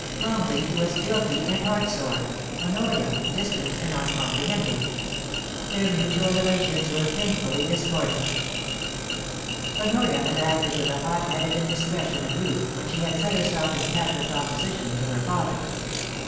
Longleat was guilty and heartsore, Honoria distant and uncomprehending. Their mutual relations were painfully discordant Honoria had acted with the hot headed indiscretion of youth when she had set herself in tactless opposition to her father.